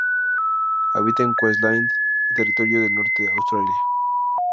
Habita en Queensland y Territorio del Norte Australia.